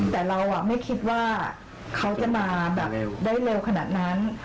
แต่เราไม่คิดว่าเขาจะมาแบบได้เร็วขนาดนั้น